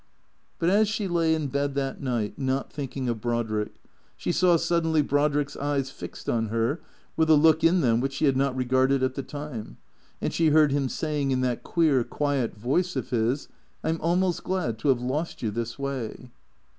But as she lay in bed that night, not thinking of Brodrick, she saw suddenly Brodrick's eyes fixed on her with a look in them which she had not regarded at the time ; and she heard him saying, in that queer, quiet voice of his, " I 'm almost glad to have lost you this way."